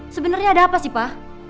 sebenernya ada apa sih pa